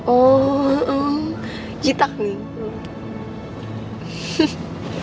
oh cita neng